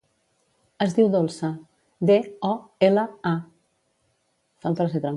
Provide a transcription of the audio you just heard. Es diu Dolça: de, o, ela, a.